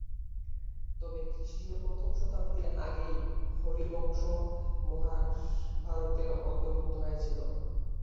তবে খ্রিস্টীয় প্রথম শতাব্দীর আগেই হরিবংশ মহাভারতের অন্তর্ভুক্ত হয়েছিল।